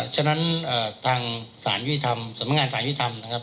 ฉะนั้นทางสารยุติธรรมสำนักงานทางยุทธรรมนะครับ